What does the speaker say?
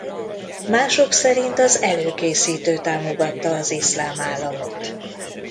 Mások szerint az előkészítő támogatta az Iszlám Államot.